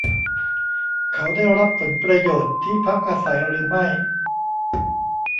เขาได้รับผลประโยชน์ที่พักอาศัยหรือไม่ ?